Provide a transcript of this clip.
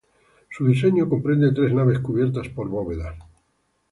Su diseño comprende tres naves cubiertas por bóvedas.